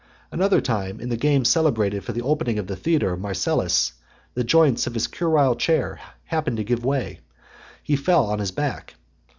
Another time, in the games celebrated for the opening of the theatre of Marcellus, the joints of his curule chair happening to give way, he fell on his back.